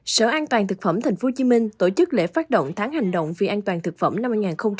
sở an toàn thực phẩm tp hcm tổ chức lễ phát động tháng hành động vì an toàn thực phẩm năm hai nghìn hai mươi bốn